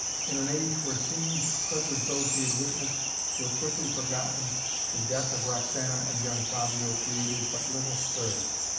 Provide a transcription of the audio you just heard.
In an age where scenes such as those he had witnessed were quickly forgotten the death of Roxana and young Fabio created but little stir.